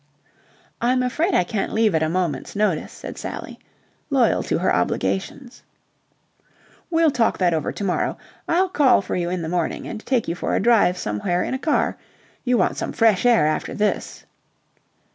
"I'm afraid I can't leave at a moment's notice," said Sally, loyal to her obligations. "We'll talk over that to morrow. I'll call for you in the morning and take you for a drive somewhere in a car. You want some fresh air after this."